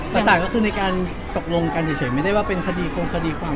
จ่ายก็คือในการตกลงกันเฉยไม่ได้ว่าเป็นคดีคงคดีความ